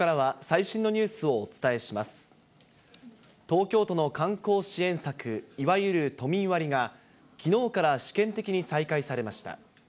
東京都の観光支援策、いわゆる都民割が、きのうから試験的に再開されました。